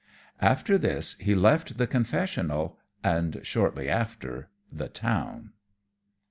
After this he left the confessional, and shortly after the town.